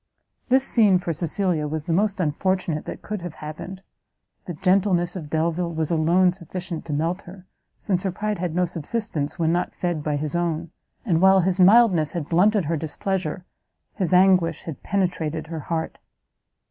This scene for Cecilia, was the most unfortunate that could have happened; the gentleness of Delvile was alone sufficient to melt her, since her pride had no subsistence when not fed by his own; and while his mildness had blunted her displeasure, his anguish had penetrated her heart.